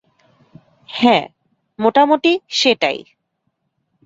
হ্যাঁ, মোটামুটি সেটাই।